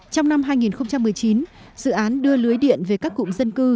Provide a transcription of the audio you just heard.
trong năm hai nghìn một mươi chín dự án đưa lưới điện về các cụm dân cư